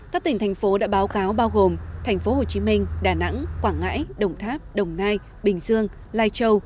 các tỉnh thành phố đã báo cáo bao gồm thành phố hồ chí minh đà nẵng quảng ngãi đồng tháp đồng nai bình dương lai châu